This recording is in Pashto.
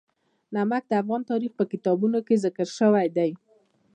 نمک د افغان تاریخ په کتابونو کې ذکر شوی دي.